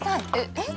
えっ。